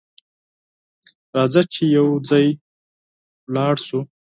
راځه چې یو ځای ولاړ سو!